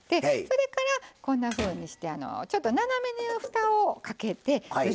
それからこんなふうにしてちょっと斜めにふたをかけてずらしてのせます。